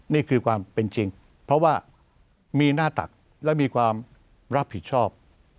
นี่คือความเป็นจริงเพราะว่ามีหน้าตักและมีความรับผิดชอบ